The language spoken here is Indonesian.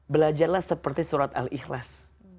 belajarlah seperti surat al ikhlas